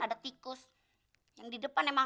jarang jarang nemu ginian dirumah